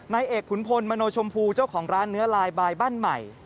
นายเอกขุนพลมโนชมพูเจ้าของร้านเนื้อลายบายบ้านใหม่